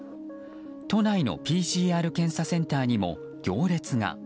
都内のＰＣＲ検査センターにも行列が。